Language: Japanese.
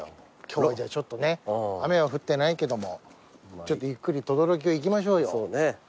今日はじゃあちょっとね雨は降ってないけどもちょっとゆっくり等々力を行きましょうよ。